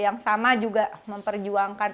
yang sama juga memperjuangkan